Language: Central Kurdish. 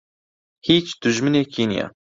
هیچ دوژمنێکی نییە.